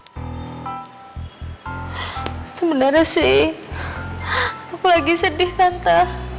itu beneran sih aku lagi sedih tante